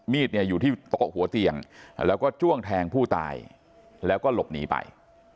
มีดเนี่ยอยู่ที่โต๊ะหัวเตียงแล้วก็จ้วงแทงผู้ตายแล้วก็หลบหนีไป